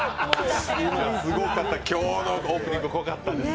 すごかった、今日のオープニング濃かったです。